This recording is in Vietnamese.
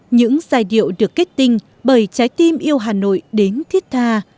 những giai điệu được kết tinh bởi trái tim yêu hà nội đến thiết tha